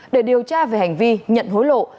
để điều tra về hành vi nhận hối lộ